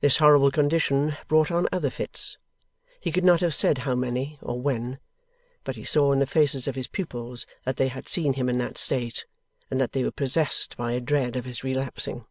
This horrible condition brought on other fits. He could not have said how many, or when; but he saw in the faces of his pupils that they had seen him in that state, and that they were possessed by a dread of his relapsing.